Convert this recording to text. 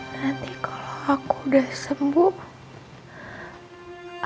nanti kalau aku udah sembuh